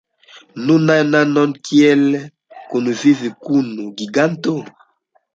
Nunaj nanoj: kiel kunvivi kun giganto?